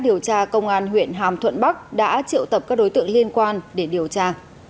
điều tra công an huyện hàm thuận bắc đã triệu tập các đối tượng liên quan để điều tra